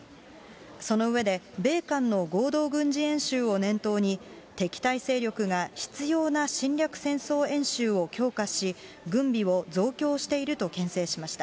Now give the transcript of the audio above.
その上で、米韓の合同軍事演習を念頭に、敵対勢力が執ような侵略戦争演習を強化し、軍備を増強しているとけん制しました。